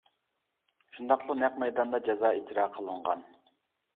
شۇنداقلا نەق مەيداندا جازا ئىجرا قىلىنغان.